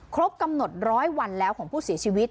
ครบกำหนดร้อยวันแล้วของผู้เสียชีวิต